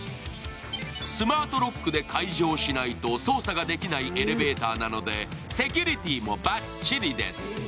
スマートロックで解鍵しないと操作ができないエレベーターなので、セキュリティーもばっちりです。